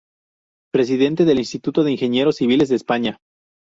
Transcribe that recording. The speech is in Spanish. Presidente del Instituto de Ingenieros Civiles de España.